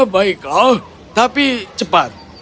baiklah tapi cepat